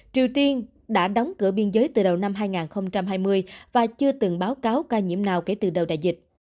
triều tiên đã đóng cửa biên giới từ đầu năm hai nghìn hai mươi và chưa từng báo cáo ca nhiễm nào kể từ đầu đại dịch